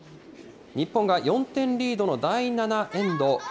日本が４点リードの第７エンド。